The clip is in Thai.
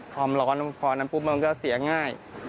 ความร้อนพอนั้นปุ๊บมันก็เสียง่าย